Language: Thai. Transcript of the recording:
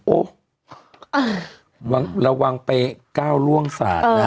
โอ๊ะเราวางไป๙ร่วงศาสตร์นะ